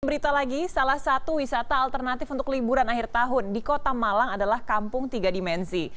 berita lagi salah satu wisata alternatif untuk liburan akhir tahun di kota malang adalah kampung tiga dimensi